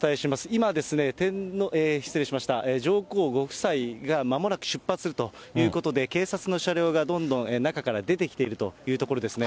今ですね、上皇ご夫妻がまもなく出発するということで、警察の車両がどんどん中から出てきているというところですね。